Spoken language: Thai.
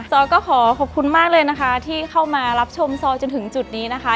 ซอยก็ขอขอบคุณมากเลยนะคะที่เข้ามารับชมซอยจนถึงจุดนี้นะคะ